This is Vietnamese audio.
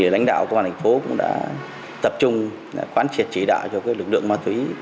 lãnh đạo quân thành phố cũng đã tập trung quán triệt chỉ đạo cho lực lượng ma túy